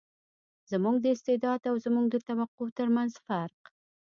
زموږ د استعداد او زموږ د توقع تر منځ فرق.